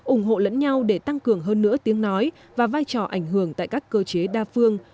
ủng hộ lẫn nhau để tăng cường hơn nữa tiếng nói và vai trò ảnh hưởng tại các cơ chế đa phương